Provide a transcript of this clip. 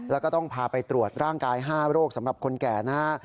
แล้วก็ต้องพาไปตรวจร่างกาย๕โรคสำหรับคนแก่นะฮะ